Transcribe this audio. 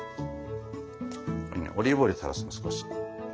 オリーブオイル垂らすの少し。